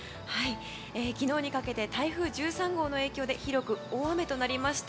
昨日にかけて台風１３号の影響で広く大雨となりました。